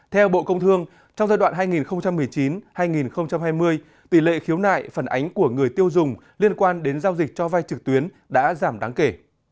theo bộ công thương trong giai đoạn hai nghìn một mươi chín hai nghìn hai mươi tỷ lệ khiếu nại phần ánh của người tiêu dùng liên quan đến giao dịch cho vai trực tuyến đã giảm đáng kể